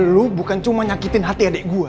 lu bukan cuma nyakitin hati adik gue